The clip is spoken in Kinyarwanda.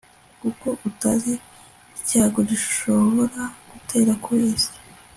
kuko utazi icyago gishobora gutera ku isi